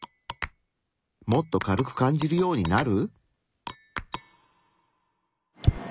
もっと軽く感じるようになる？